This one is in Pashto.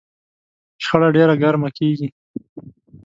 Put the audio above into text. شخړه ډېره ګرمه کېږي.